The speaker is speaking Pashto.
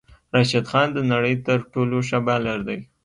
راشد خان د نړی تر ټولو ښه بالر دی